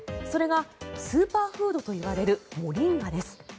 それがスーパーフードといわれるモリンガです。